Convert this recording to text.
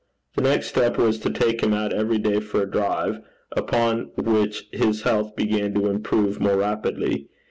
The next step was to take him out every day for a drive, upon which his health began to improve more rapidly.